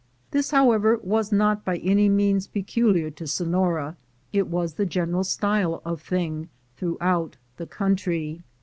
This, however, was not by any means peculiar to Sonora — it was the general style of thing throughout the country.